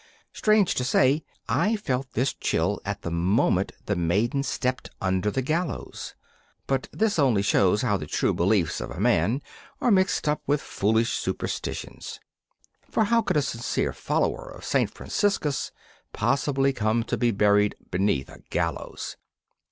Strange to say, I felt this chill at the moment the maiden stepped under the gallows. But this only shows how the true beliefs of men are mixed up with foolish superstitions; for how could a sincere follower of Saint Franciscus possibly come to be buried beneath a gallows?